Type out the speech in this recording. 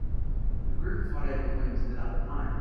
A group of hot air balloons lit up at night.